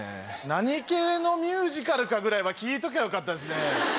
何系のミュージカルかぐらいは聞いときゃよかったですね。